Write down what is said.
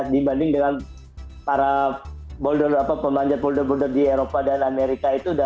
dibanding dengan para boulder pembanjat boulder boulder di eropa dan amerika itu